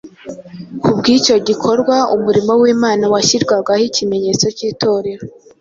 Kubw’icyo gikorwa, umurimo w’Imana washyirwagaho ikimenyetso cy’Itorero.